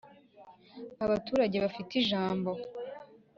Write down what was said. abaturage bafite ijambo